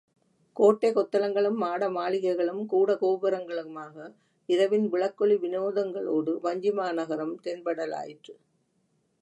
கோட்டை கொத்தளங்களும் மாடமாளிகைகளும், கூட கோபுரங்களுமாக இரவின் விளக்கொளி விநோதங்களோடு வஞ்சிமாநகரம் தென்படலாயிற்று.